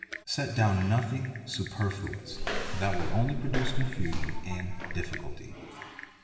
Set down nothing superfluous; that will only produce confusion — and difficulty.